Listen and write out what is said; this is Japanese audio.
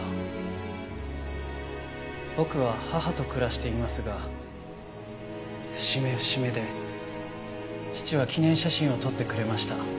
僕は母と暮らしていますが節目節目で父は記念写真を撮ってくれました。